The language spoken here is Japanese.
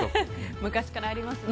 昔からありますよね。